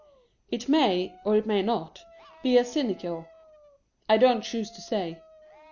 It may, or it may not be a sinecure. I don't choose to say.